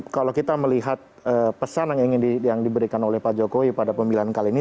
kalau kita melihat pesan yang diberikan oleh pak jokowi pada pemilihan kali ini